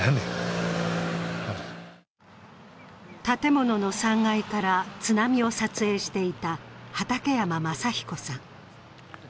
建物の３階から津波を撮影していた畠山昌彦さん。